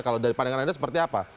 kalau dari pandangan anda seperti apa